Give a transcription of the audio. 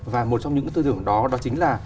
và một trong những cái tư tưởng đó đó chính là